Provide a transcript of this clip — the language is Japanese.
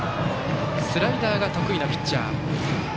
スライダーが得意なピッチャー。